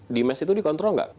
di mes itu dikontrol nggak